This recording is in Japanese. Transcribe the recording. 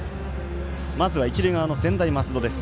まずは一塁側の専大松戸です。